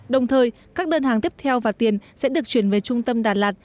đồng thời các đơn hàng tiếp theo và tiền sẽ được chuyển về trung tâm đà lạt